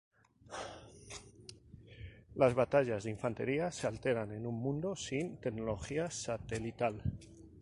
Las batallas de infantería se alteran en un mundo sin tecnología satelital.